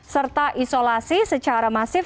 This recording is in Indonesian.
serta isolasi secara masif